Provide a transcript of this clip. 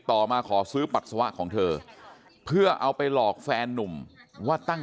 มาขอซื้อปัสสาวะของเธอเพื่อเอาไปหลอกแฟนนุ่มว่าตั้ง